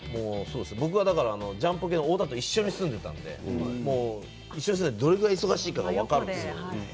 僕はジャンポケの太田と一緒に住んでいたのでどれぐらい忙しいかが分かるんです。